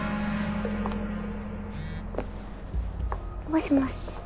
もしもし。